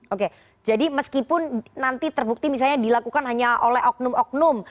oke jadi meskipun nanti terbukti misalnya dilakukan hanya oleh oknum oknum